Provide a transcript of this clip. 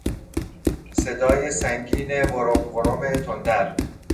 صدای سنگین غرم غرم تندر